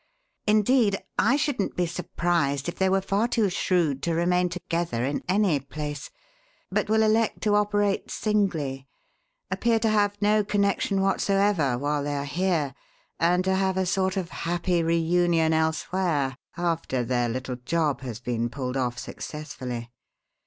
Indeed, I shouldn't be surprised if they were far too shrewd to remain together in any place, but will elect to operate singly, appear to have no connection whatsoever, while they are here, and to have a sort of 'happy reunion' elsewhere after their little job has been pulled off successfully.